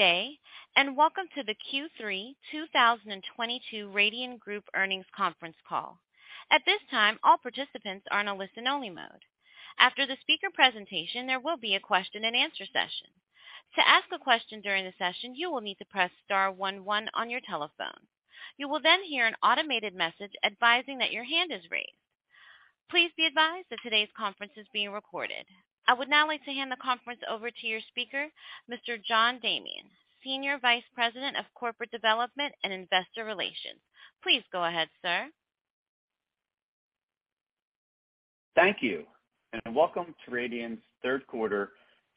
Good day, and welcome to the Q3 2022 Radian Group Earnings Conference Call. At this time, all participants are in a listen-only mode. After the speaker presentation, there will be a question-and-answer session. To ask a question during the session, you will need to press star one one on your telephone. You will then hear an automated message advising that your hand is raised. Please be advised that today's conference is being recorded. I would now like to hand the conference over to your speaker, Mr. John Damian, Senior Vice President of Corporate Development and Investor Relations. Please go ahead, sir. Thank you, and welcome to Radian's third quarter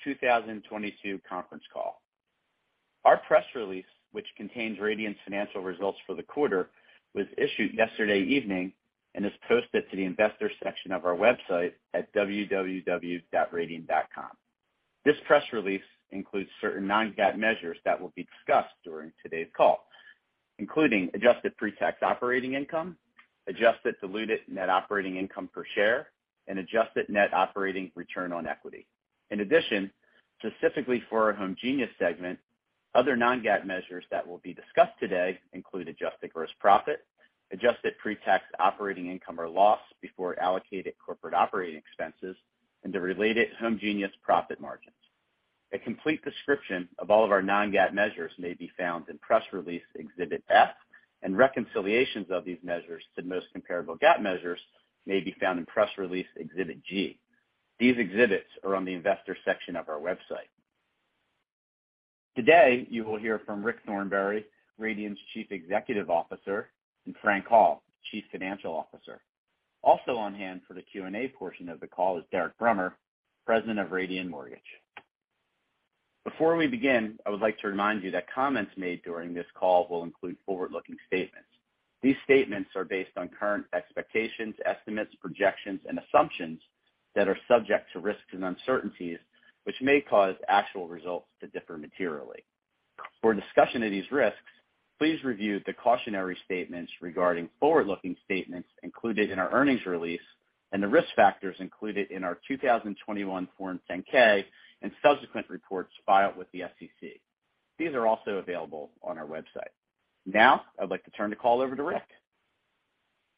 2022 conference call. Our press release, which contains Radian's financial results for the quarter, was issued yesterday evening and is posted to the investor section of our website at www.radian.com. This press release includes certain non-GAAP measures that will be discussed during today's call, including adjusted pre-tax operating income, adjusted diluted net operating income per share, and adjusted net operating return on equity. In addition, specifically for our homegenius segment, other non-GAAP measures that will be discussed today include adjusted gross profit, adjusted pre-tax operating income or loss before allocated corporate operating expenses and the related homegenius profit margins. A complete description of all of our non-GAAP measures may be found in press release Exhibit F, and reconciliations of these measures to the most comparable GAAP measures may be found in press release Exhibit G. These exhibits are on the investor section of our website. Today, you will hear from Rick Thornberry, Radian's Chief Executive Officer, and Frank Hall, Chief Financial Officer. Also on hand for the Q&A portion of the call is Derek Brummer, President of Radian Mortgage. Before we begin, I would like to remind you that comments made during this call will include forward-looking statements. These statements are based on current expectations, estimates, projections, and assumptions that are subject to risks and uncertainties, which may cause actual results to differ materially. For a discussion of these risks, please review the cautionary statements regarding forward-looking statements included in our earnings release and the risk factors included in our 2021 Form 10-K and subsequent reports filed with the SEC. These are also available on our website. Now, I'd like to turn the call over to Rick.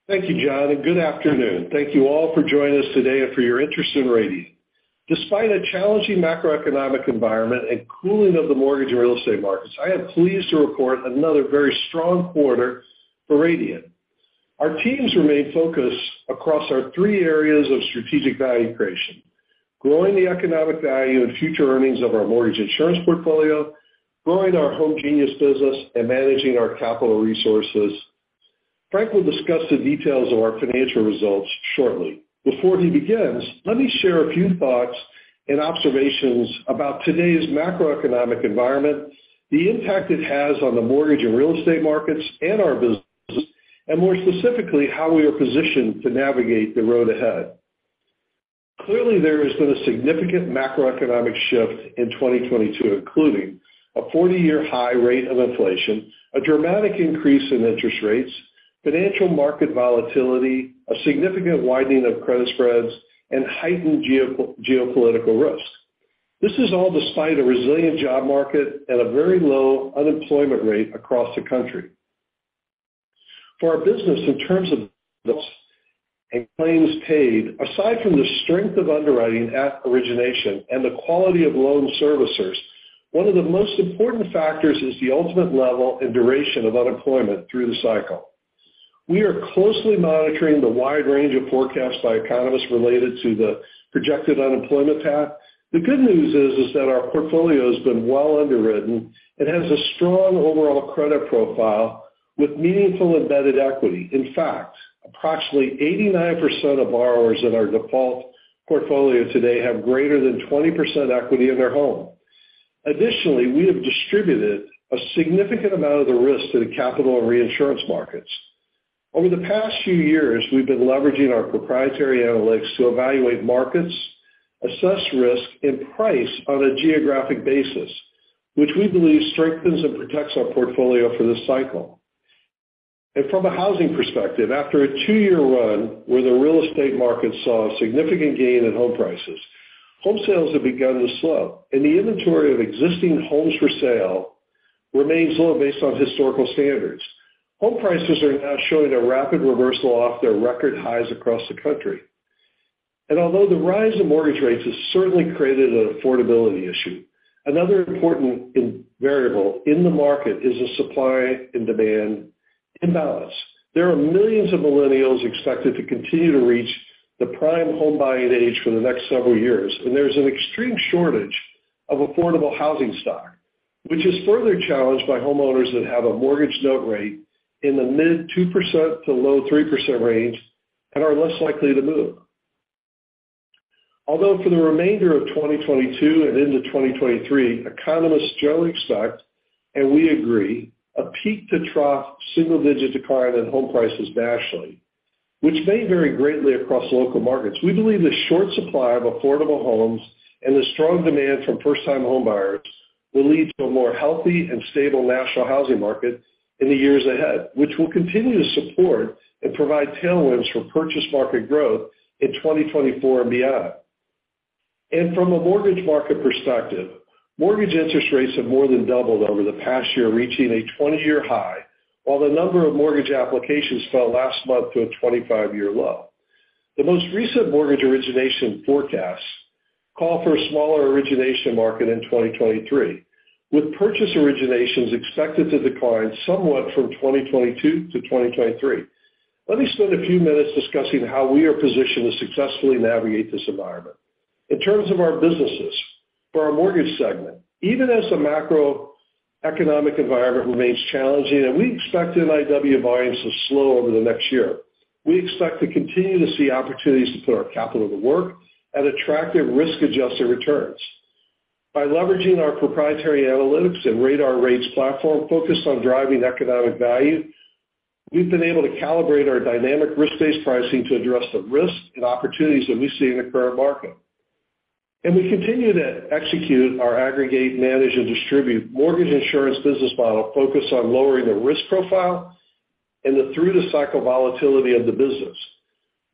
Thank you, John, and good afternoon. Thank you all for joining us today and for your interest in Radian. Despite a challenging macroeconomic environment and cooling of the mortgage and real estate markets, I am pleased to report another very strong quarter for Radian. Our teams remain focused across our three areas of strategic value creation, growing the economic value and future earnings of our mortgage insurance portfolio, growing our homegenius business, and managing our capital resources. Frank will discuss the details of our financial results shortly. Before he begins, let me share a few thoughts and observations about today's macroeconomic environment, the impact it has on the mortgage and real estate markets and our business, and more specifically, how we are positioned to navigate the road ahead. Clearly, there has been a significant macroeconomic shift in 2022, including a 40-year high rate of inflation, a dramatic increase in interest rates, financial market volatility, a significant widening of credit spreads, and heightened geopolitical risk. This is all despite a resilient job market and a very low unemployment rate across the country. For our business in terms of claims paid, aside from the strength of underwriting at origination and the quality of loan servicers, one of the most important factors is the ultimate level and duration of unemployment through the cycle. We are closely monitoring the wide range of forecasts by economists related to the projected unemployment path. The good news is that our portfolio has been well underwritten and has a strong overall credit profile with meaningful embedded equity. In fact, approximately 89% of borrowers in our default portfolio today have greater than 20% equity in their home. Additionally, we have distributed a significant amount of the risk to the capital and reinsurance markets. Over the past few years, we've been leveraging our proprietary analytics to evaluate markets, assess risk, and price on a geographic basis, which we believe strengthens and protects our portfolio for this cycle. From a housing perspective, after a 2-year run where the real estate market saw a significant gain in home prices, home sales have begun to slow, and the inventory of existing homes for sale remains low based on historical standards. Home prices are now showing a rapid reversal off their record highs across the country. Although the rise in mortgage rates has certainly created an affordability issue, another important variable in the market is a supply and demand imbalance. There are millions of millennials expected to continue to reach the prime home buying age for the next several years, and there's an extreme shortage of affordable housing stock, which is further challenged by homeowners that have a mortgage note rate in the mid-2% to low-3% range and are less likely to move. Although for the remainder of 2022 and into 2023, economists generally expect, and we agree, a peak-to-trough single-digit decline in home prices nationally, which may vary greatly across local markets. We believe the short supply of affordable homes and the strong demand from first-time homebuyers will lead to a more healthy and stable national housing market in the years ahead, which will continue to support and provide tailwinds for purchase market growth in 2024 and beyond. From a mortgage market perspective, mortgage interest rates have more than doubled over the past year, reaching a 20-year high, while the number of mortgage applications fell last month to a 25-year low. The most recent mortgage origination forecasts call for a smaller origination market in 2023, with purchase originations expected to decline somewhat from 2022 to 2023. Let me spend a few minutes discussing how we are positioned to successfully navigate this environment. In terms of our businesses, for our mortgage segment, even as the macroeconomic environment remains challenging, and we expect NIW volumes to slow over the next year, we expect to continue to see opportunities to put our capital to work at attractive risk-adjusted returns. By leveraging our proprietary analytics and RADAR Rates platform focused on driving economic value, we've been able to calibrate our dynamic risk-based pricing to address the risks and opportunities that we see in the current market. We continue to execute our aggregate manage and distribute mortgage insurance business model focused on lowering the risk profile and the through-the-cycle volatility of the business.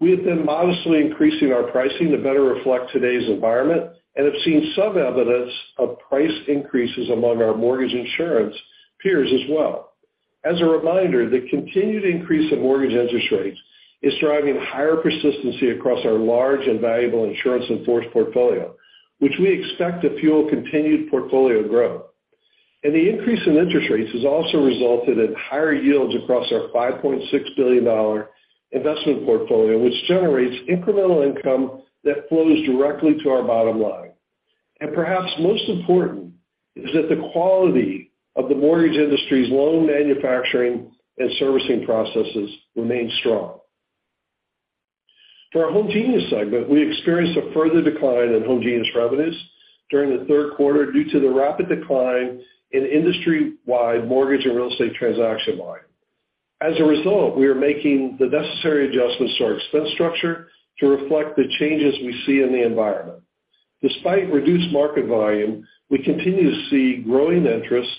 We have been modestly increasing our pricing to better reflect today's environment and have seen some evidence of price increases among our mortgage insurance peers as well. As a reminder, the continued increase in mortgage interest rates is driving higher persistency across our large and valuable insurance in-force portfolio, which we expect to fuel continued portfolio growth. The increase in interest rates has also resulted in higher yields across our $5.6 billion investment portfolio, which generates incremental income that flows directly to our bottom line. Perhaps most important is that the quality of the mortgage industry's loan manufacturing and servicing processes remain strong. For our homegenius segment, we experienced a further decline in homegenius revenues during the third quarter due to the rapid decline in industry-wide mortgage and real estate transaction volume. As a result, we are making the necessary adjustments to our expense structure to reflect the changes we see in the environment. Despite reduced market volume, we continue to see growing interest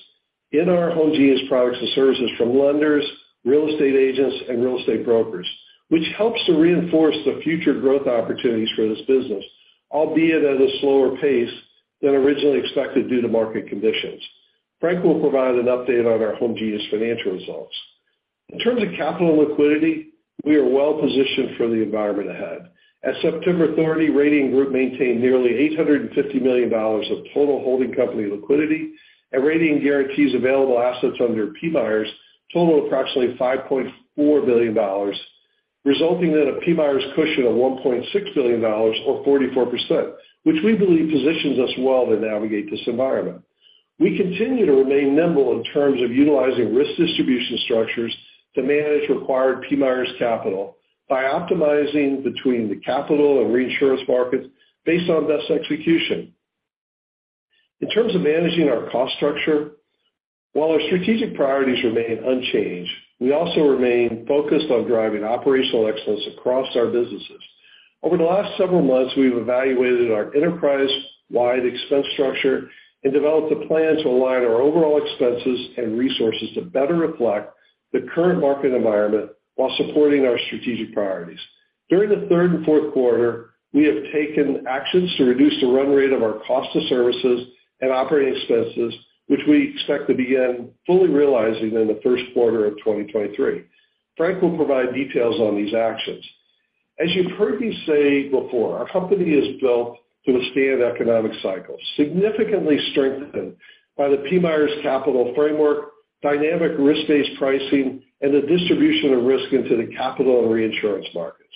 in our homegenius products and services from lenders, real estate agents, and real estate brokers, which helps to reinforce the future growth opportunities for this business, albeit at a slower pace than originally expected due to market conditions. Frank will provide an update on our homegenius financial results. In terms of capital and liquidity, we are well positioned for the environment ahead. As of September, we maintained nearly $850 million of total holding company liquidity, and Radian Guaranty available assets under PMIERs total approximately $5.4 billion, resulting in a PMIERs cushion of $1.6 billion or 44%, which we believe positions us well to navigate this environment. We continue to remain nimble in terms of utilizing risk distribution structures to manage required PMIERs capital by optimizing between the capital and reinsurance markets based on best execution. In terms of managing our cost structure, while our strategic priorities remain unchanged, we also remain focused on driving operational excellence across our businesses. Over the last several months, we've evaluated our enterprise-wide expense structure and developed a plan to align our overall expenses and resources to better reflect the current market environment while supporting our strategic priorities. During the third and fourth quarter, we have taken actions to reduce the run rate of our cost of services and operating expenses, which we expect to begin fully realizing in the first quarter of 2023. Frank will provide details on these actions. As you've heard me say before, our company is built to withstand economic cycles, significantly strengthened by the PMIERs capital framework, dynamic risk-based pricing, and the distribution of risk into the capital and reinsurance markets.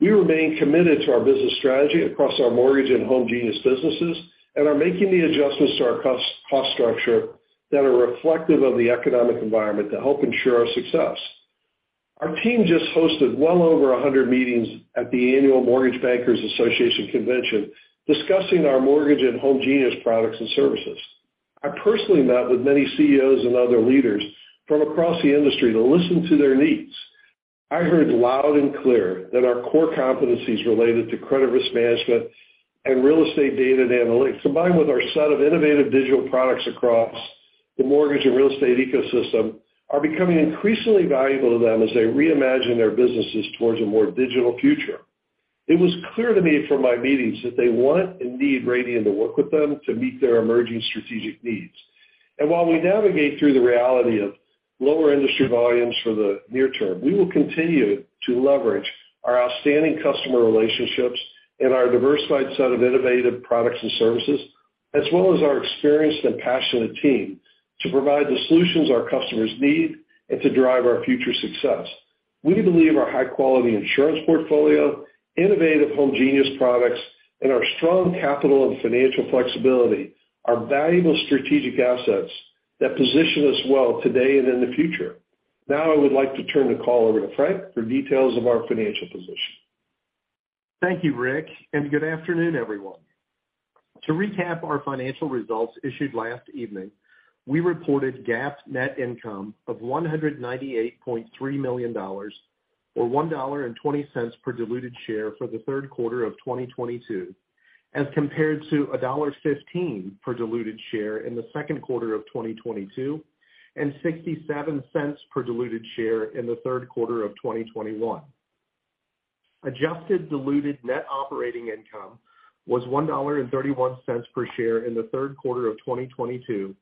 We remain committed to our business strategy across our mortgage and homegenius businesses and are making the adjustments to our cost structure that are reflective of the economic environment to help ensure our success. Our team just hosted well over 100 meetings at the annual Mortgage Bankers Association Convention discussing our mortgage and homegenius products and services. I personally met with many CEOs and other leaders from across the industry to listen to their needs. I heard loud and clear that our core competencies related to credit risk management and real estate data and analytics, combined with our set of innovative digital products across the mortgage and real estate ecosystem, are becoming increasingly valuable to them as they reimagine their businesses towards a more digital future. It was clear to me from my meetings that they want and need Radian to work with them to meet their emerging strategic needs. While we navigate through the reality of lower industry volumes for the near term, we will continue to leverage our outstanding customer relationships and our diversified set of innovative products and services, as well as our experienced and passionate team, to provide the solutions our customers need and to drive our future success. We believe our high-quality insurance portfolio, innovative homegenius products, and our strong capital and financial flexibility are valuable strategic assets that position us well today and in the future. Now I would like to turn the call over to Frank for details of our financial position. Thank you, Rick, and good afternoon, everyone. To recap our financial results issued last evening, we reported GAAP net income of $198.3 million or $1.20 per diluted share for the third quarter of 2022. As compared to $1.15 per diluted share in the second quarter of 2022 and $0.67 per diluted share in the third quarter of 2021. Adjusted diluted net operating income was $1.31 per share in the third quarter of 2022,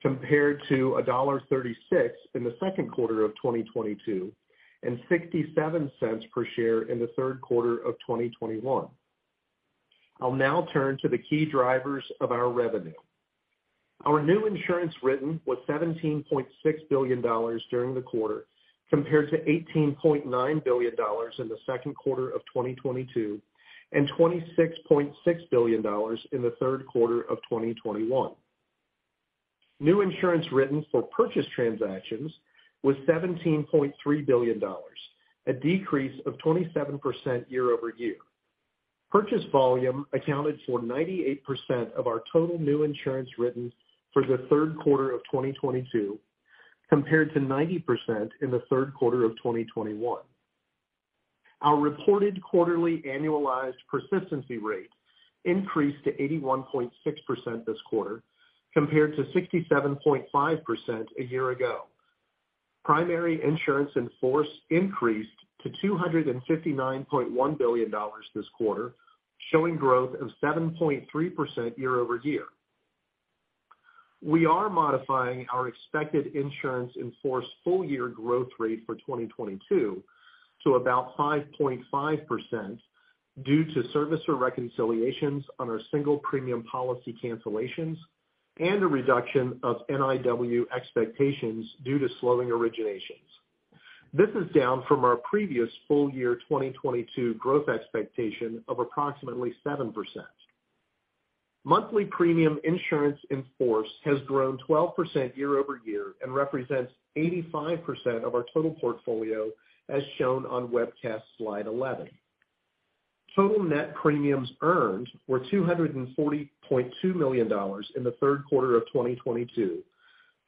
compared to $1.36 in the second quarter of 2022 and $0.67 per share in the third quarter of 2021. I'll now turn to the key drivers of our revenue. Our new insurance written was $17.6 billion during the quarter compared to $18.9 billion in the second quarter of 2022, and $26.6 billion in the third quarter of 2021. New insurance written for purchase transactions was $17.3 billion, a decrease of 27% year-over-year. Purchase volume accounted for 98% of our total new insurance written for the third quarter of 2022, compared to 90% in the third quarter of 2021. Our reported quarterly annualized persistency rate increased to 81.6% this quarter compared to 67.5% a year ago. Primary insurance in force increased to $259.1 billion this quarter, showing growth of 7.3% year-over-year. We are modifying our expected insurance in force full year growth rate for 2022 to about 5.5% due to servicer reconciliations on our single premium policy cancellations and a reduction of NIW expectations due to slowing originations. This is down from our previous full year 2022 growth expectation of approximately 7%. Monthly premium insurance in-force has grown 12% year-over-year and represents 85% of our total portfolio, as shown on webcast slide 11. Total net premiums earned were $240.2 million in the third quarter of 2022,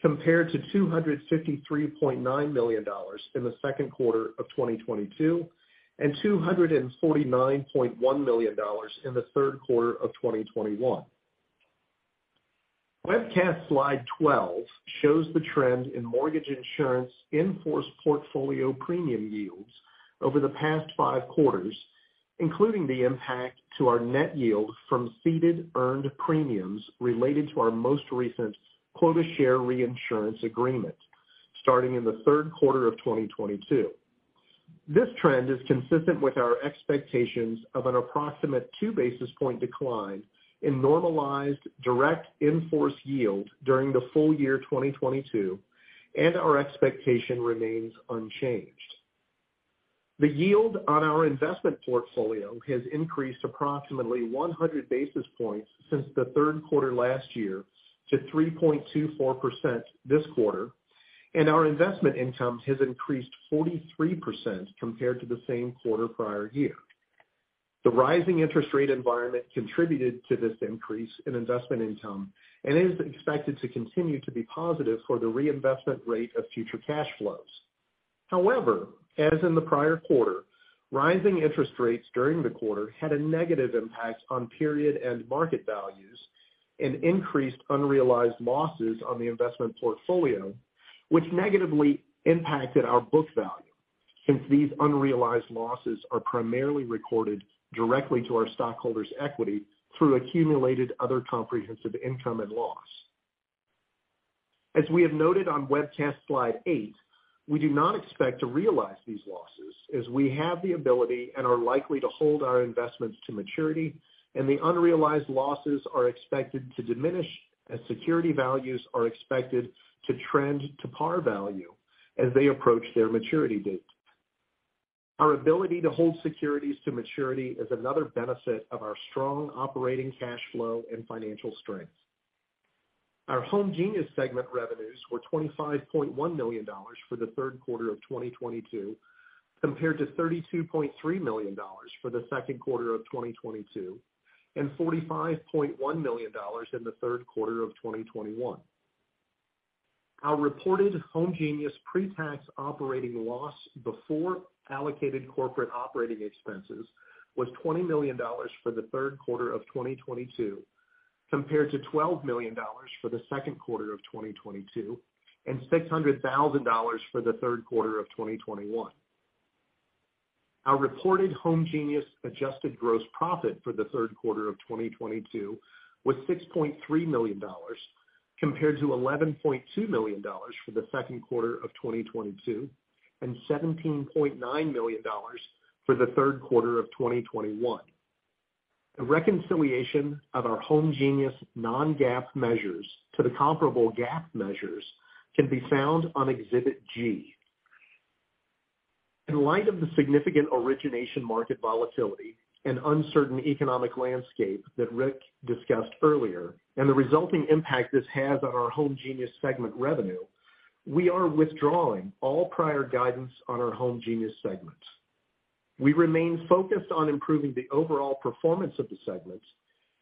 compared to $253.9 million in the second quarter of 2022, and $249.1 million in the third quarter of 2021. Webcast slide 12 shows the trend in mortgage insurance in-force portfolio premium yields over the past five quarters, including the impact to our net yield from ceded earned premiums related to our most recent quota share reinsurance agreement starting in the third quarter of 2022. This trend is consistent with our expectations of an approximate 2 basis point decline in normalized direct in-force yield during the full year 2022, and our expectation remains unchanged. The yield on our investment portfolio has increased approximately 100 basis points since the third quarter last year to 3.24% this quarter, and our investment income has increased 43% compared to the same quarter prior year. The rising interest rate environment contributed to this increase in investment income and is expected to continue to be positive for the reinvestment rate of future cash flows. However, as in the prior quarter, rising interest rates during the quarter had a negative impact on period and market values and increased unrealized losses on the investment portfolio, which negatively impacted our book value, since these unrealized losses are primarily recorded directly to our stockholders' equity through accumulated other comprehensive income and loss. As we have noted on webcast slide eight, we do not expect to realize these losses as we have the ability and are likely to hold our investments to maturity, and the unrealized losses are expected to diminish as security values are expected to trend to par value as they approach their maturity date. Our ability to hold securities to maturity is another benefit of our strong operating cash flow and financial strength. Our homegenius segment revenues were $25.1 million for the third quarter of 2022, compared to $32.3 million for the second quarter of 2022, and $45.1 million in the third quarter of 2021. Our reported homegenius pre-tax operating loss before allocated corporate operating expenses was $20 million for the third quarter of 2022, compared to $12 million for the second quarter of 2022, and $600,000 for the third quarter of 2021. Our reported homegenius adjusted gross profit for the third quarter of 2022 was $6.3 million, compared to $11.2 million for the second quarter of 2022, and $17.9 million for the third quarter of 2021. A reconciliation of our homegenius non-GAAP measures to the comparable GAAP measures can be found on Exhibit G. In light of the significant origination market volatility and uncertain economic landscape that Rick discussed earlier, and the resulting impact this has on our homegenius segment revenue, we are withdrawing all prior guidance on our homegenius segment. We remain focused on improving the overall performance of the segment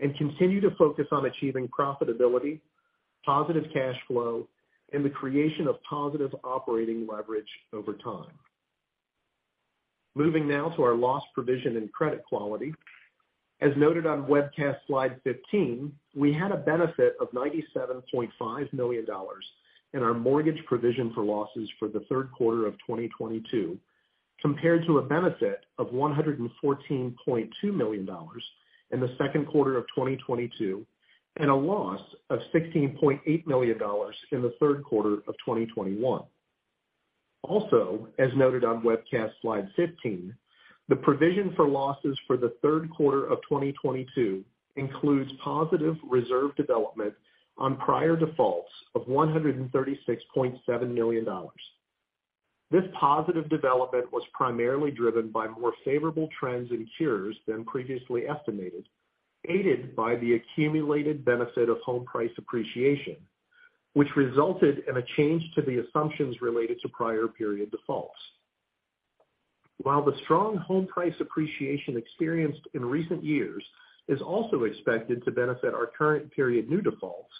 and continue to focus on achieving profitability, positive cash flow, and the creation of positive operating leverage over time. Moving now to our loss provision and credit quality. As noted on webcast slide 15, we had a benefit of $97.5 million in our mortgage provision for losses for the third quarter of 2022, compared to a benefit of $114.2 million in the second quarter of 2022, and a loss of $16.8 million in the third quarter of 2021. Also, as noted on webcast slide 15, the provision for losses for the third quarter of 2022 includes positive reserve development on prior defaults of $136.7 million. This positive development was primarily driven by more favorable trends in cures than previously estimated, aided by the accumulated benefit of home price appreciation, which resulted in a change to the assumptions related to prior period defaults. While the strong home price appreciation experienced in recent years is also expected to benefit our current period new defaults,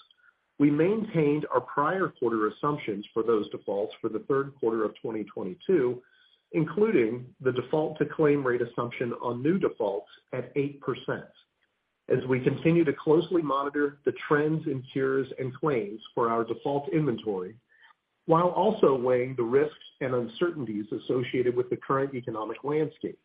we maintained our prior quarter assumptions for those defaults for the third quarter of 2022, including the default-to-claim rate assumption on new defaults at 8%, as we continue to closely monitor the trends in cures and claims for our default inventory, while also weighing the risks and uncertainties associated with the current economic landscape.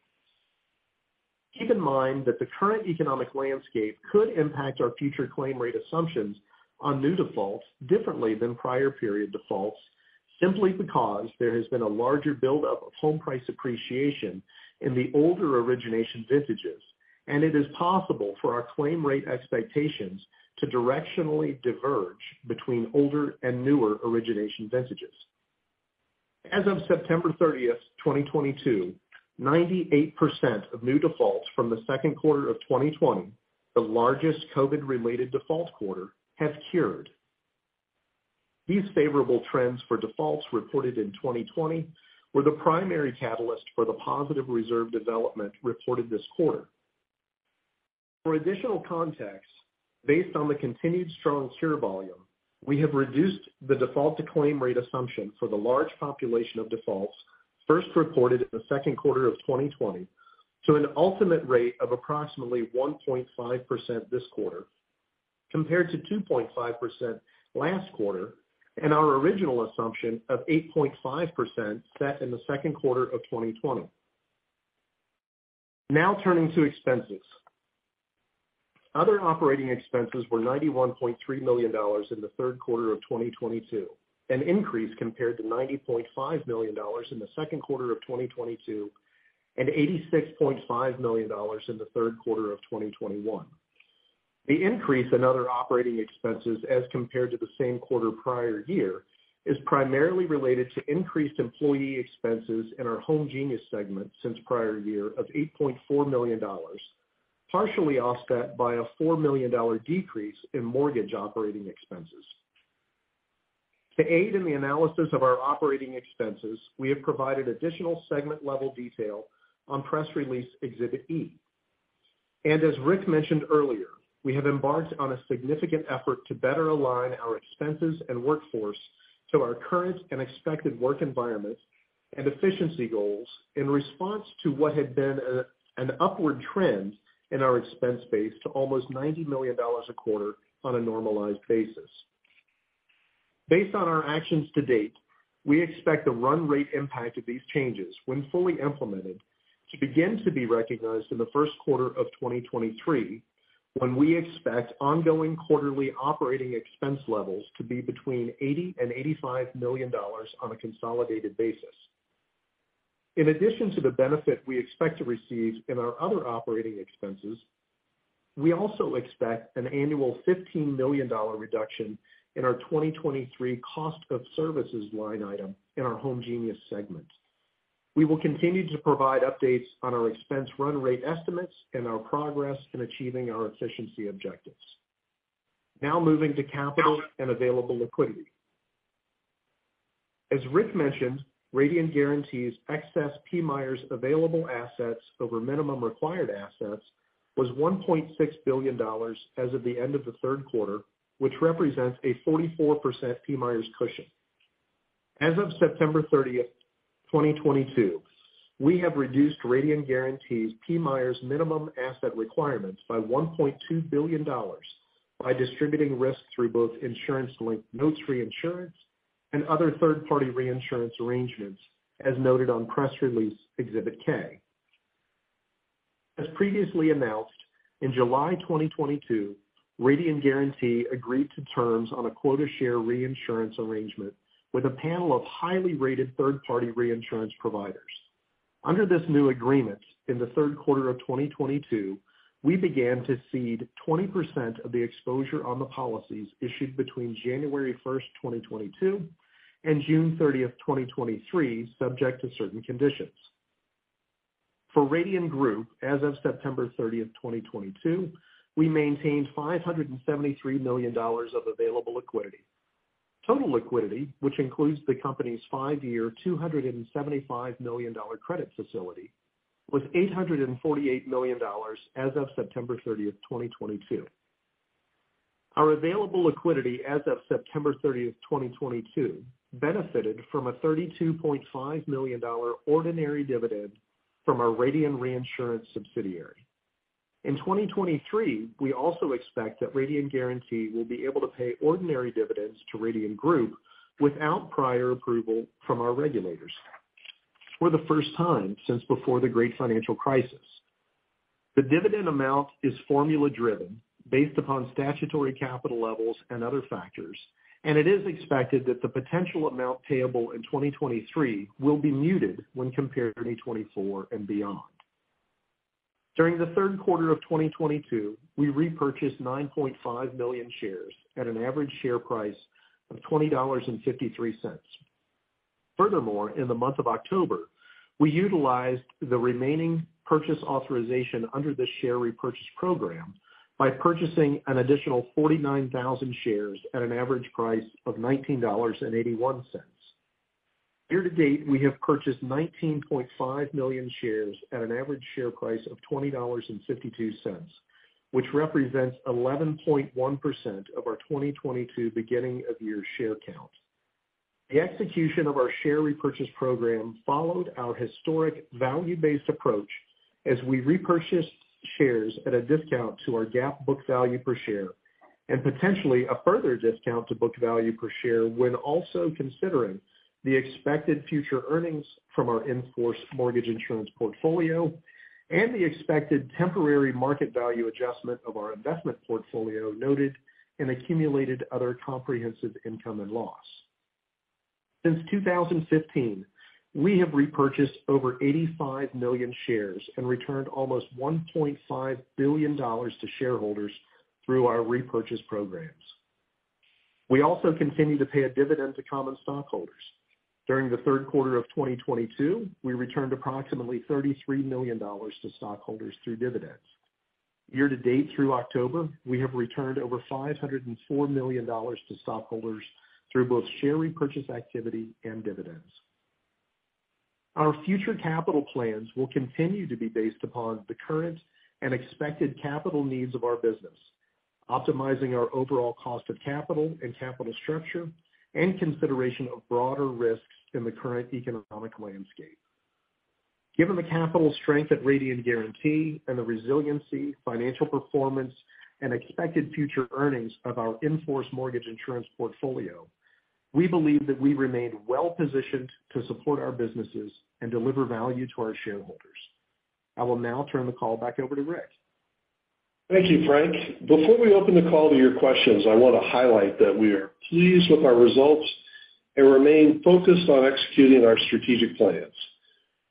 Keep in mind that the current economic landscape could impact our future claim rate assumptions on new defaults differently than prior period defaults, simply because there has been a larger buildup of home price appreciation in the older origination vintages, and it is possible for our claim rate expectations to directionally diverge between older and newer origination vintages. As of September 30th, 2022, 98% of new defaults from the second quarter of 2020, the largest COVID-related default quarter, have cured. These favorable trends for defaults reported in 2020 were the primary catalyst for the positive reserve development reported this quarter. For additional context, based on the continued strong cure volume, we have reduced the default to claim rate assumption for the large population of defaults first reported in the second quarter of 2020 to an ultimate rate of approximately 1.5% this quarter, compared to 2.5% last quarter, and our original assumption of 8.5% set in the second quarter of 2020. Now turning to expenses. Other operating expenses were $91.3 million in the third quarter of 2022, an increase compared to $90.5 million in the second quarter of 2022, and $86.5 million in the third quarter of 2021. The increase in other operating expenses as compared to the same quarter prior year is primarily related to increased employee expenses in our homegenius segment since prior year of $8.4 million, partially offset by a $4 million decrease in mortgage operating expenses. To aid in the analysis of our operating expenses, we have provided additional segment-level detail on press release Exhibit E. And as Rick mentioned earlier, we have embarked on a significant effort to better align our expenses and workforce to our current and expected work environment and efficiency goals in response to what had been an upward trend in our expense base to almost $90 million a quarter on a normalized basis. Based on our actions to date, we expect the run rate impact of these changes, when fully implemented, to begin to be recognized in the first quarter of 2023, when we expect ongoing quarterly operating expense levels to be between $80 million and $85 million on a consolidated basis. In addition to the benefit we expect to receive in our other operating expenses, we also expect an annual $15 million reduction in our 2023 cost of services line item in our homegenius segment. We will continue to provide updates on our expense run rate estimates and our progress in achieving our efficiency objectives. Now moving to capital and available liquidity. As Rick mentioned, Radian Guaranty's excess PMIERs available assets over minimum required assets was $1.6 billion as of the end of the third quarter, which represents a 44% PMIERs cushion. As of September 30, 2022, we have reduced Radian Guaranty's PMIERs minimum asset requirements by $1.2 billion by distributing risks through both insurance-linked notes reinsurance and other third-party reinsurance arrangements, as noted on press release Exhibit K. As previously announced, in July 2022, Radian Guaranty agreed to terms on a quota share reinsurance arrangement with a panel of highly rated third-party reinsurance providers. Under this new agreement, in the third quarter of 2022, we began to cede 20% of the exposure on the policies issued between January 1, 2022, and June 30, 2023, subject to certain conditions. For Radian Group, as of September 30, 2022, we maintained $573 million of available liquidity. Total liquidity, which includes the company's five-year, $275 million credit facility, was $848 million as of September 30, 2022. Our available liquidity as of September 30, 2022, benefited from a $32.5 million ordinary dividend from our Radian Reinsurance subsidiary. In 2023, we also expect that Radian Guaranty will be able to pay ordinary dividends to Radian Group without prior approval from our regulators for the first time since before the Great Financial Crisis. The dividend amount is formula driven based upon statutory capital levels and other factors, and it is expected that the potential amount payable in 2023 will be muted when compared to 2024 and beyond. During the third quarter of 2022, we repurchased 9.5 million shares at an average share price of $20.53. Furthermore, in the month of October, we utilized the remaining purchase authorization under the share repurchase program by purchasing an additional 49,000 shares at an average price of $19.81. Year-to-date, we have purchased 19.5 million shares at an average share price of $20.52, which represents 11.1% of our 2022 beginning of year share count. The execution of our share repurchase program followed our historic value-based approach as we repurchased shares at a discount to our GAAP book value per share, and potentially a further discount to book value per share when also considering the expected future earnings from our in-force mortgage insurance portfolio and the expected temporary market value adjustment of our investment portfolio noted in accumulated other comprehensive income and loss. Since 2015, we have repurchased over 85 million shares and returned almost $1.5 billion to shareholders through our repurchase programs. We also continue to pay a dividend to common stockholders. During the third quarter of 2022, we returned approximately $33 million to stockholders through dividends. Year-to-date through October, we have returned over $504 million to stockholders through both share repurchase activity and dividends. Our future capital plans will continue to be based upon the current and expected capital needs of our business, optimizing our overall cost of capital and capital structure, and consideration of broader risks in the current economic landscape. Given the capital strength at Radian Guaranty and the resiliency, financial performance, and expected future earnings of our in-force mortgage insurance portfolio, we believe that we remain well-positioned to support our businesses and deliver value to our shareholders. I will now turn the call back over to Rick. Thank you, Frank. Before we open the call to your questions, I wanna highlight that we are pleased with our results and remain focused on executing our strategic plans.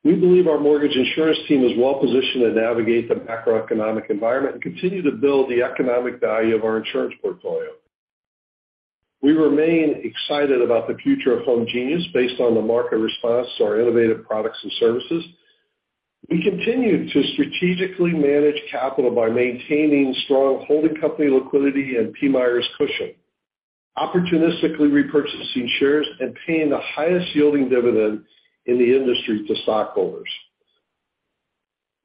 We believe our mortgage insurance team is well positioned to navigate the macroeconomic environment and continue to build the economic value of our insurance portfolio. We remain excited about the future of homegenius based on the market response to our innovative products and services. We continue to strategically manage capital by maintaining strong holding company liquidity and PMIERs cushion, opportunistically repurchasing shares, and paying the highest yielding dividend in the industry to stockholders.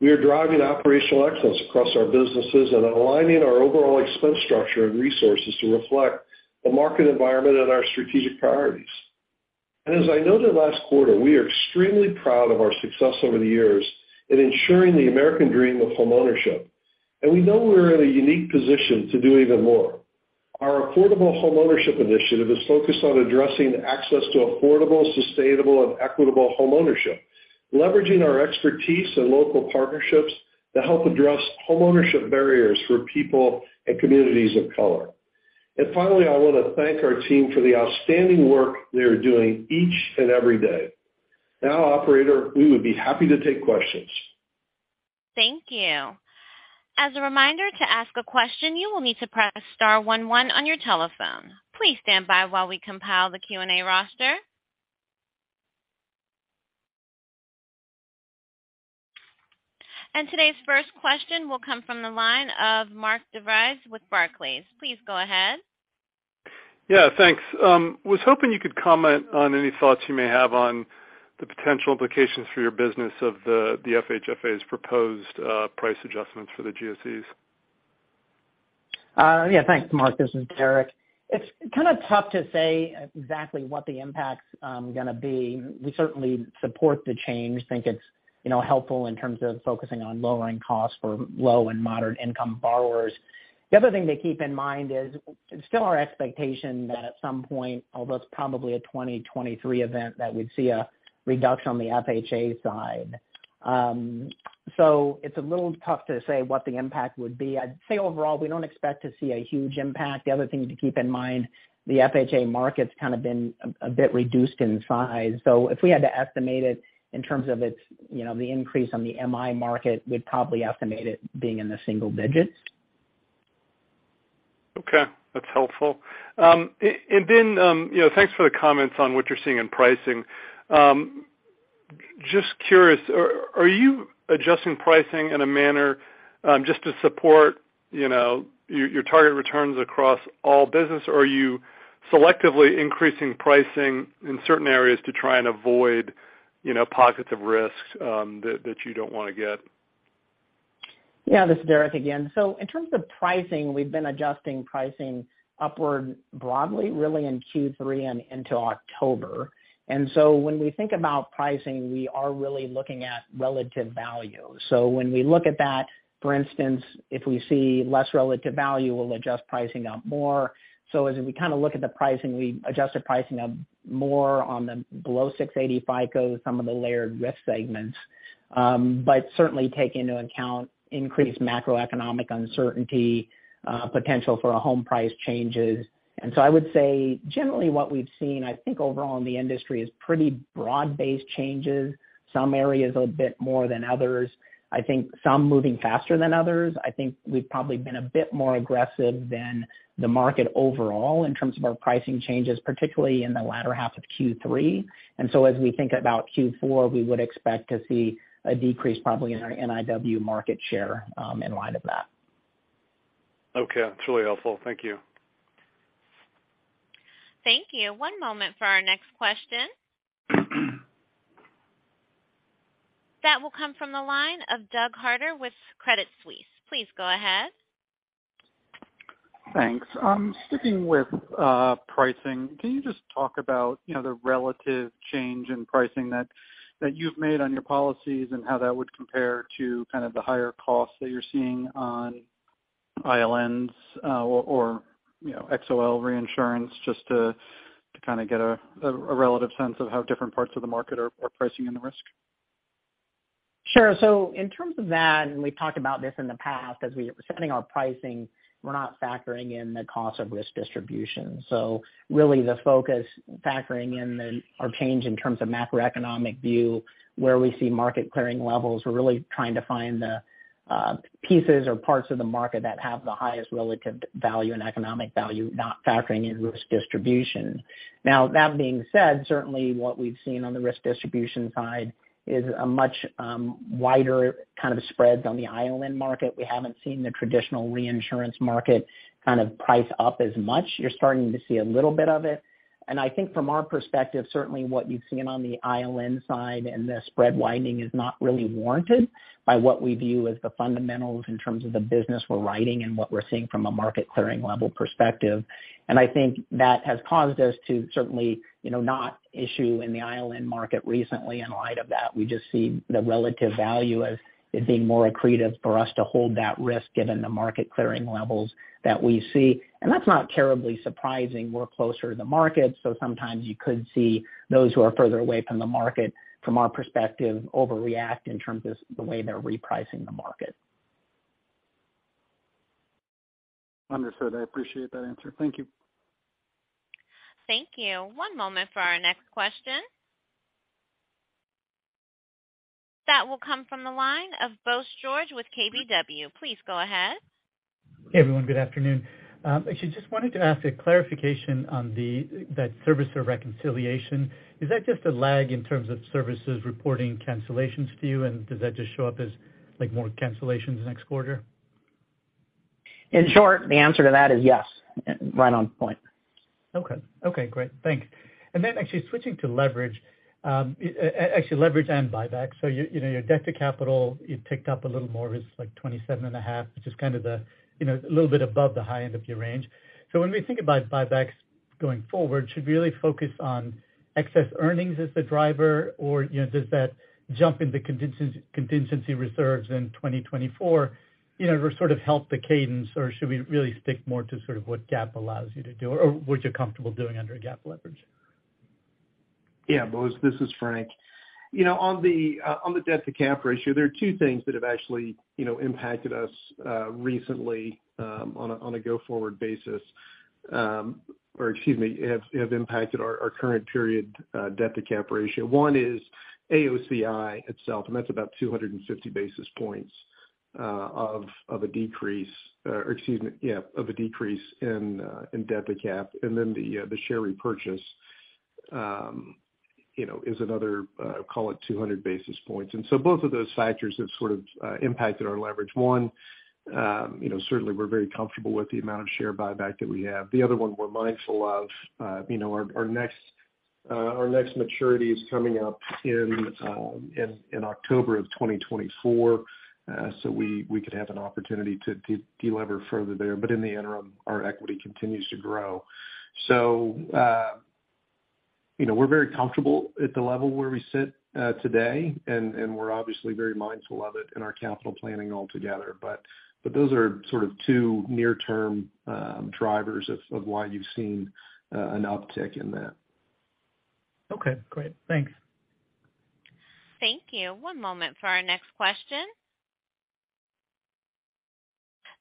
We are driving operational excellence across our businesses and aligning our overall expense structure and resources to reflect the market environment and our strategic priorities. As I noted last quarter, we are extremely proud of our success over the years in ensuring the American dream of homeownership, and we know we're in a unique position to do even more. Our affordable homeownership initiative is focused on addressing access to affordable, sustainable, and equitable homeownership, leveraging our expertise and local partnerships to help address homeownership barriers for people and communities of color. Finally, I wanna thank our team for the outstanding work they are doing each and every day. Now, operator, we would be happy to take questions. Thank you. As a reminder, to ask a question, you will need to press star one one on your telephone. Please stand by while we compile the Q&A roster. Today's first question will come from the line of Mark DeVries with Barclays. Please go ahead. Yeah, thanks. Was hoping you could comment on any thoughts you may have on the potential implications for your business of the FHFA's proposed price adjustments for the GSEs. Thanks, Mark. This is Derek. It's kinda tough to say exactly what the impact's gonna be. We certainly support the change. Think it's, you know, helpful in terms of focusing on lowering costs for low and moderate income borrowers. The other thing to keep in mind is it's still our expectation that at some point, although it's probably a 2023 event, that we'd see a reduction on the FHA side. It's a little tough to say what the impact would be. I'd say overall, we don't expect to see a huge impact. The other thing to keep in mind, the FHA market's kind of been a bit reduced in size. So if we had to estimate it in terms of its, you know, the increase on the MI market, we'd probably estimate it being in the single digits. Okay. That's helpful. You know, thanks for the comments on what you're seeing in pricing. Just curious, are you adjusting pricing in a manner just to support, you know, your target returns across all business, or are you selectively increasing pricing in certain areas to try and avoid, you know, pockets of risks that you don't wanna get? Yeah, this is Derek again. In terms of pricing, we've been adjusting pricing upward broadly, really in Q3 and into October. When we think about pricing, we are really looking at relative value. When we look at that, for instance, if we see less relative value, we'll adjust pricing up more. As we kind of look at the pricing, we adjust the pricing up more on the below 680 FICO, some of the layered risk segments, but certainly take into account increased macroeconomic uncertainty, potential for home price changes. I would say, generally what we've seen, I think, overall in the industry is pretty broad-based changes. Some areas a bit more than others. I think some moving faster than others. I think we've probably been a bit more aggressive than the market overall in terms of our pricing changes, particularly in the latter half of Q3. As we think about Q4, we would expect to see a decrease probably in our NIW market share, in light of that. Okay. That's really helpful. Thank you. Thank you. One moment for our next question. That will come from the line of Doug Harter with Credit Suisse. Please go ahead. Thanks. Sticking with pricing, can you just talk about, you know, the relative change in pricing that you've made on your policies and how that would compare to kind of the higher costs that you're seeing on ILNs or you know, XOL reinsurance, just to kind of get a relative sense of how different parts of the market are pricing in the risk? Sure. In terms of that, and we've talked about this in the past, as we're setting our pricing, we're not factoring in the cost of risk distribution. Really the focus factoring in our change in terms of macroeconomic view, where we see market clearing levels, we're really trying to find the pieces or parts of the market that have the highest relative value and economic value, not factoring in risk distribution. Now, that being said, certainly what we've seen on the risk distribution side is a much wider kind of spreads on the ILN market. We haven't seen the traditional reinsurance market kind of price up as much. You're starting to see a little bit of it. I think from our perspective, certainly what you've seen on the ILN side and the spread widening is not really warranted by what we view as the fundamentals in terms of the business we're writing and what we're seeing from a market clearing level perspective. I think that has caused us to certainly, you know, not issue in the ILN market recently in light of that. We just see the relative value as it being more accretive for us to hold that risk given the market clearing levels that we see. That's not terribly surprising. We're closer to the market, so sometimes you could see those who are further away from the market, from our perspective, overreact in terms of the way they're repricing the market. Understood. I appreciate that answer. Thank you. Thank you. One moment for our next question. That will come from the line of Bose George with KBW. Please go ahead. Hey, everyone. Good afternoon. Actually just wanted to ask a clarification on the, that servicer reconciliation. Is that just a lag in terms of servicers reporting cancellations to you? Does that just show up as, like, more cancellations next quarter? In short, the answer to that is yes, right on point. Okay. Okay, great. Thanks. Actually switching to leverage, actually leverage and buyback. You know, your debt to capital, it ticked up a little more. It's like 27.5%, which is kind of the, you know, a little bit above the high end of your range. When we think about buybacks going forward, should we really focus on excess earnings as the driver or, you know, does that jump in the contingency reserves in 2024, you know, to sort of help the cadence? Should we really stick more to sort of what GAAP allows you to do or what you're comfortable doing under a GAAP leverage? Yeah. Bose, this is Frank. You know, on the debt to cap ratio, there are two things that have actually, you know, impacted us recently on a go-forward basis. Or excuse me, have impacted our current period debt to cap ratio. One is AOCI itself, and that's about 250 basis points of a decrease. Excuse me, yeah, of a decrease in debt to cap. Then the share repurchase, you know, is another, call it 200 basis points. Both of those factors have sort of impacted our leverage. One, you know, certainly we're very comfortable with the amount of share buyback that we have. The other one we're mindful of, you know, our next maturity is coming up in October of 2024. We could have an opportunity to delever further there. In the interim, our equity continues to grow. You know, we're very comfortable at the level where we sit today, and we're obviously very mindful of it in our capital planning altogether. Those are sort of two near-term drivers of why you've seen an uptick in that. Okay, great. Thanks. Thank you. One moment for our next question.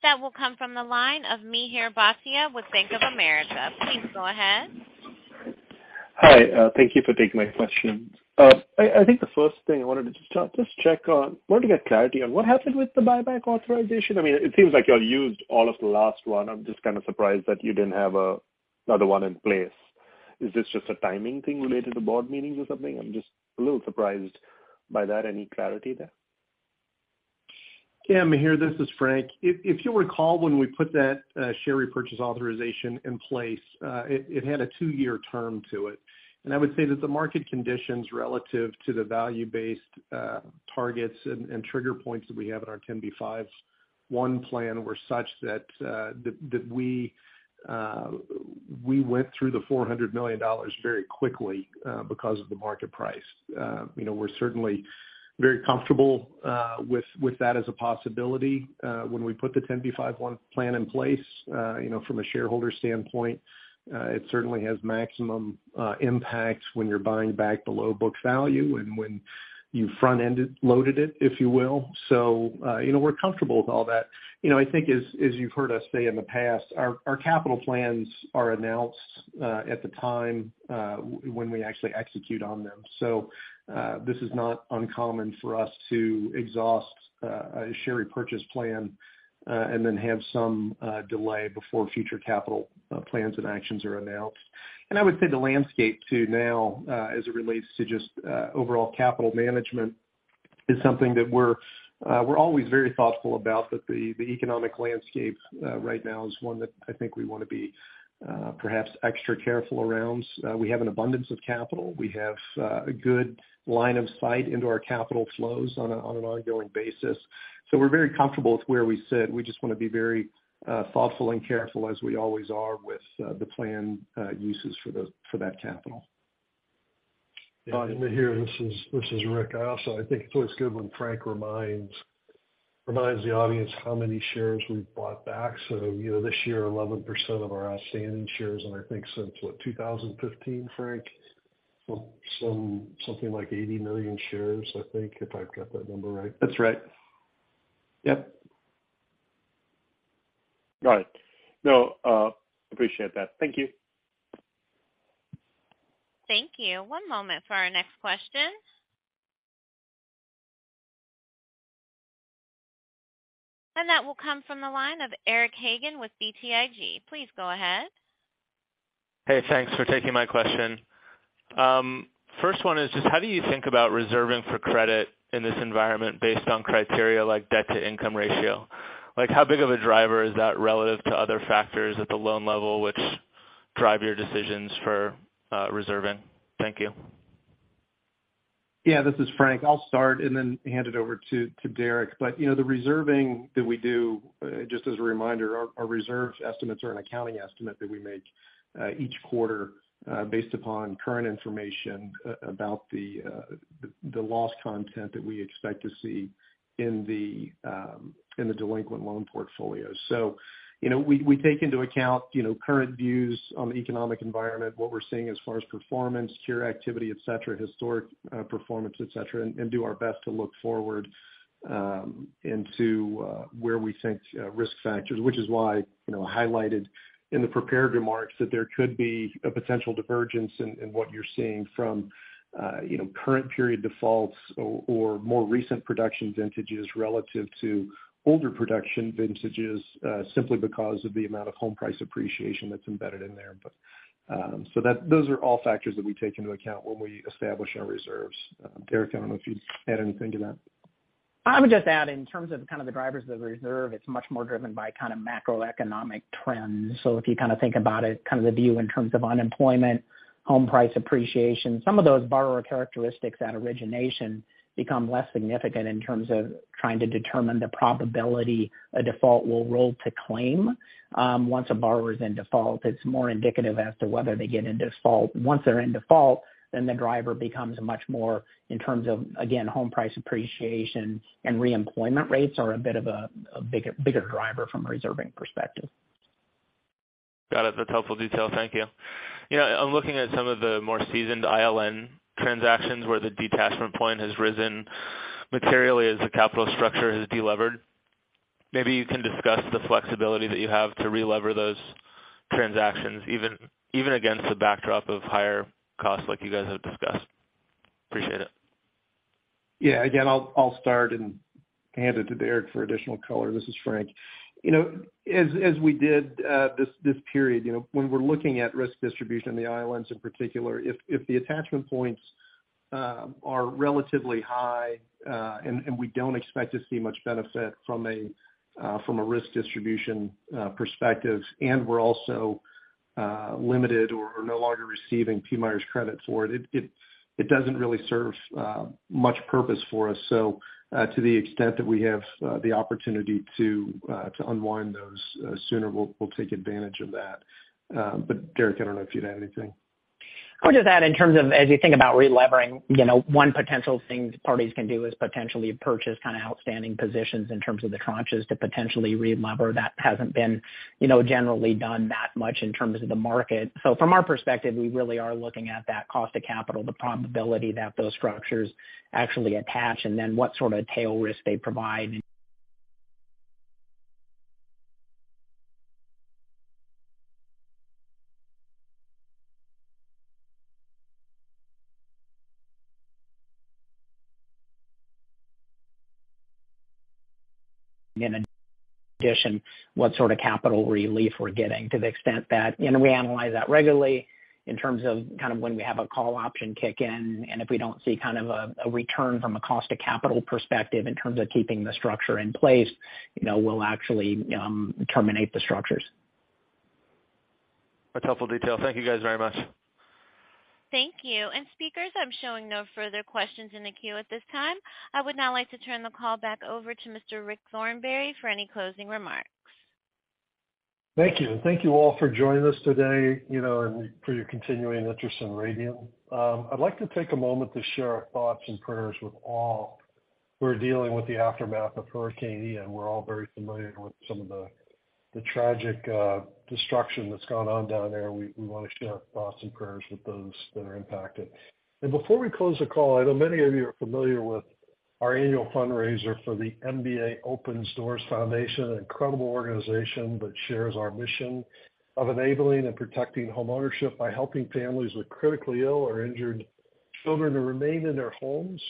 That will come from the line of Mihir Bhatia with Bank of America. Please go ahead. Hi. Thank you for taking my question. I think the first thing I wanted to just check on, wanted to get clarity on what happened with the buyback authorization?I mean, it seems like you all used all of the last one. I'm just kind of surprised that you didn't have another one in place. Is this just a timing thing related to board meetings or something? I'm just a little surprised by that. Any clarity there? Yeah, Mihir, this is Frank. If you recall, when we put that share repurchase authorization in place, it had a two-year term to it. I would say that the market conditions relative to the value-based targets and trigger points that we have in our 10b5-1 plan were such that we went through the $400 million very quickly because of the market price. You know, we're certainly very comfortable with that as a possibility when we put the 10b5-1 plan in place. You know, from a shareholder standpoint, it certainly has maximum impact when you're buying back below book value and when you front-end loaded it, if you will. You know, we're comfortable with all that. You know, I think as you've heard us say in the past, our capital plans are announced at the time when we actually execute on them. This is not uncommon for us to exhaust a share repurchase plan and then have some delay before future capital plans and actions are announced. I would say the landscape too now as it relates to just overall capital management is something that we're always very thoughtful about. The economic landscape right now is one that I think we wanna be perhaps extra careful around. We have an abundance of capital. We have a good line of sight into our capital flows on an ongoing basis. We're very comfortable with where we sit. We just wanna be very thoughtful and careful as we always are with the planned uses for that capital. Yeah. Here, this is Rick. I also think it's always good when Frank reminds the audience how many shares we've bought back. You know, this year, 11% of our outstanding shares, and I think since what, 2015, Frank? Something like 80 million shares, I think, if I've got that number right. That's right. Yep. All right. No, appreciate that. Thank you. Thank you. One moment for our next question. That will come from the line of Eric Hagen with BTIG. Please go ahead. Hey, thanks for taking my question. First one is just how do you think about reserving for credit in this environment based on criteria like debt-to-income ratio? Like, how big of a driver is that relative to other factors at the loan level, which drive your decisions for reserving? Thank you. Yeah, this is Frank. I'll start and then hand it over to Derek. You know, the reserving that we do, just as a reminder, our reserves estimates are an accounting estimate that we make each quarter, based upon current information about the loss content that we expect to see in the delinquent loan portfolio. You know, we take into account current views on the economic environment, what we're seeing as far as performance, cure activity, et cetera, historic performance, et cetera, and do our best to look forward into where we think risk factors, which is why, you know, highlighted in the prepared remarks that there could be a potential divergence in what you're seeing from current period defaults or more recent production vintages relative to older production vintages, simply because of the amount of home price appreciation that's embedded in there. Those are all factors that we take into account when we establish our reserves. Derek, I don't know if you'd add anything to that. I would just add in terms of kind of the drivers of the reserve. It's much more driven by kind of macroeconomic trends. If you kind of think about it, kind of the view in terms of unemployment, home price appreciation, some of those borrower characteristics at origination become less significant in terms of trying to determine the probability a default will roll to claim. Once a borrower is in default, it's more indicative as to whether they get in default. Once they're in default, the driver becomes much more in terms of, again, home price appreciation and re-employment rates are a bigger driver from a reserving perspective. Got it. That's helpful detail. Thank you. You know, I'm looking at some of the more seasoned ILN transactions where the detachment point has risen materially as the capital structure has delevered. Maybe you can discuss the flexibility that you have to re-lever those transactions, even against the backdrop of higher costs like you guys have discussed. Appreciate it. Again, I'll start and hand it to Derek for additional color. This is Frank. You know, as we did this period, you know, when we're looking at risk distribution in the ILNs in particular, if the attachment points are relatively high, and we don't expect to see much benefit from a risk distribution perspective, and we're also limited or no longer receiving PMI or credit for it doesn't really serve much purpose for us. To the extent that we have the opportunity to unwind those sooner, we'll take advantage of that. Derek, I don't know if you'd add anything. I'll just add in terms of as you think about relevering, you know, one potential thing parties can do is potentially purchase kind of outstanding positions in terms of the tranches to potentially relever. That hasn't been, you know, generally done that much in terms of the market. From our perspective, we really are looking at that cost of capital, the probability that those structures actually attach, and then what sort of tail risk they provide. And in addition, what sort of capital relief we're getting to the extent that, and we analyze that regularly in terms of kind of when we have a call option kick in, and if we don't see kind of a return from a cost of capital perspective in terms of keeping the structure in place, you know, we'll actually terminate the structures. That's helpful detail. Thank you guys very much. Thank you. Speakers, I'm showing no further questions in the queue at this time. I would now like to turn the call back over to Mr. Rick Thornberry for any closing remarks. Thank you. Thank you all for joining us today, you know, and for your continuing interest in Radian. I'd like to take a moment to share our thoughts and prayers with all who are dealing with the aftermath of Hurricane Ian. We're all very familiar with some of the tragic destruction that's gone on down there. We wanna share our thoughts and prayers with those that are impacted. Before we close the call, I know many of you are familiar with our annual fundraiser for the MBA Opens Doors Foundation, an incredible organization that shares our mission of enabling and protecting homeownership by helping families with critically ill or injured children to remain in their homes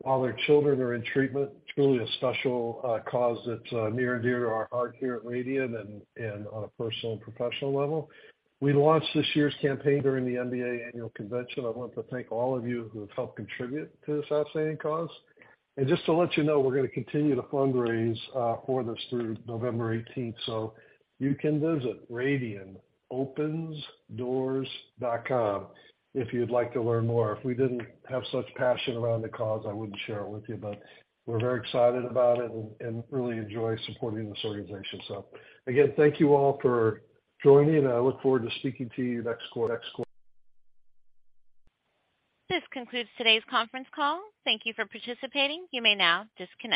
while their children are in treatment. Truly a special cause that's near and dear to our heart here at Radian and on a personal and professional level. We launched this year's campaign during the MBA Annual Convention. I want to thank all of you who have helped contribute to this outstanding cause. Just to let you know, we're gonna continue to fundraise for this through November 18th, so you can visit radianopensdoors.com if you'd like to learn more. If we didn't have such passion around the cause, I wouldn't share it with you, but we're very excited about it and really enjoy supporting this organization. Again, thank you all for joining, and I look forward to speaking to you next quarter. This concludes today's conference call. Thank you for participating. You may now disconnect.